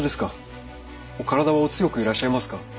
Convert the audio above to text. お体はお強くいらっしゃいますか。